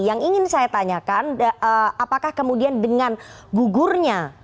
yang ingin saya tanyakan apakah kemudian dengan gugurnya